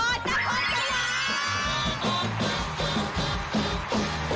สวัสดีค่ะพี่ฮาย